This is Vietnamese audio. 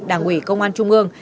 đảng ủy công an trung ương